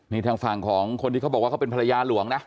นี่ทางฝั่งของคนที่เขาบอกว่าเขาเป็นภรรยาหลวงนะ